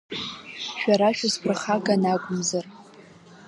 Шәара шәысԥырхаган акәымзар…